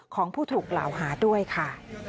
ของผู้ถูกกล่าวหาด้วยค่ะ